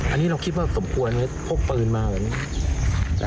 อันนี้เราคิดว่าสมควรพกปืนมาหรือเปล่า